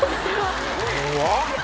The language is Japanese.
怖っ！